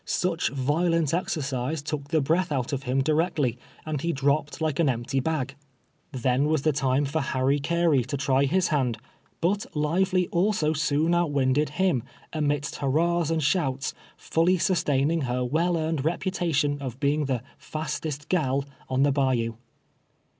Such violent exercise took the breath out of him directly, and he dropped like an empty bag. Then was the time for Harry Carey to try his hand ; but Lively also soon out winded him, amidst hurrahs and shouts, fully sustaining her well earned reputation of being the " fastest gal" on the bayou.